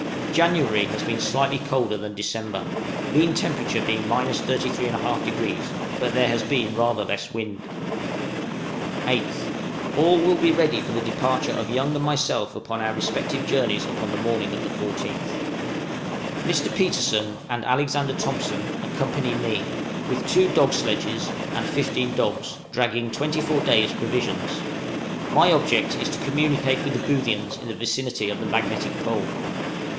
January has been slightly colder than December, mean temperature being 33 1/2°, but there has been rather less wind. 8th. All will be ready for the departure of Young and myself upon our respective journeys upon the morning of the 14th. Mr. Petersen and Alexander Thompson accompany me, with two dog sledges, and fifteen dogs, dragging twenty four days' provisions. My object is to communicate with the Boothians in the vicinity of the magnetic pole.